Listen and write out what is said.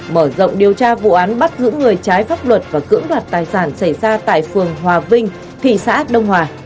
mở rộng điều tra vụ án bắt giữ người trái pháp luật và cưỡng đoạt tài sản xảy ra tại phường hòa vinh thị xã đông hòa